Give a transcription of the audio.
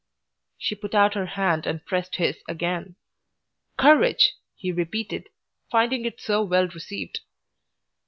She put out her hand and pressed his again. "Courage!" he repeated, finding it so well received.